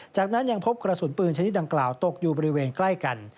จากนั้นยังพบกระสุนปืนชนิดดังกล่าวตกอยู่บริเวณใกล้กัน